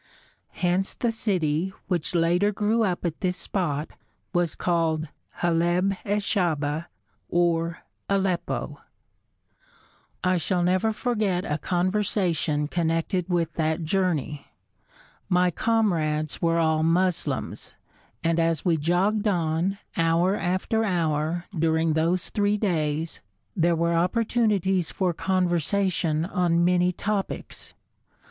Hence the city, which later grew up at this spot, was called Haleb es Shahba, or Aleppo. I shall never forget a conversation connected with that journey. My comrades were all Moslems, and as we jogged on, hour after hour, during those three days, there were opportunities for conversation on many topics.